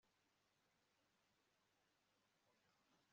Kandi ntamuntu uzi kuvuga ururimi rwa tacit